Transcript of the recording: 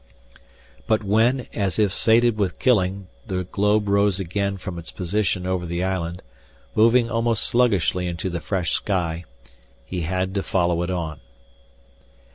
But when, as if sated with killing, the globe rose again from its position over the island, moving almost sluggishly into the fresh sky, he had to follow it on.